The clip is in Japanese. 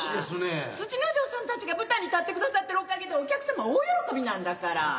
すちの丞さんたちが舞台立ってくださってるおかげでお客様大喜びなんだから。